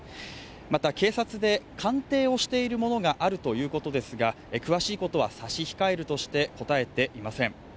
また警察で鑑定をしているものがあるということですが、詳しいことは差し控えるとして、答えていません。